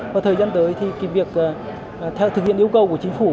và thời gian tới thì việc thực hiện yêu cầu của chính phủ